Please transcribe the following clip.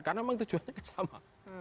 karena memang tujuannya kan sama